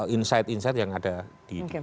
insight insight yang ada di